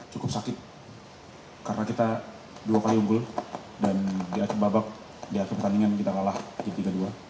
cukup sakit karena kita dua kali unggul dan di akhir babak di akhir pertandingan kita kalah di tiga dua